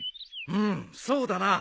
うんそうだな。